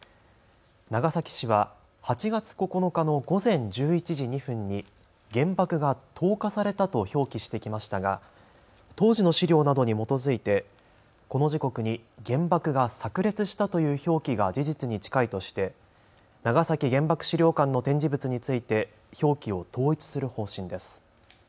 長崎市は８月９日の午前１１時２分に原爆が投下されたと表記してきましたが当時の資料などに基づいてこの時刻に原爆がさく裂したという表記が事実に近いとして長崎原爆資料館の展示物について表記を統一する方針です。